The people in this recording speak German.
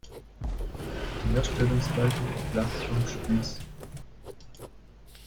Die Herstellungsleitung oblag Tom Spieß.